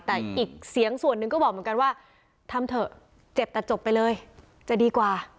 แต่อีกเสียงส่วนหนึ่งก็บอกเหมือนกันว่าทำเถอะเจ็บแต่จบไปเลยจะดีกว่า